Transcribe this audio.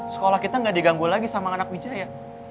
sekolah kita gak diganggu lagi sama anak wijaya